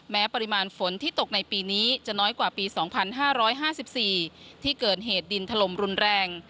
ปริมาณฝนที่ตกในปีนี้จะน้อยกว่าปี๒๕๕๔ที่เกิดเหตุดินถล่มรุนแรง